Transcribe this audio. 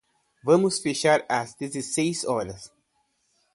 Vamos fechar às dezesseis horas.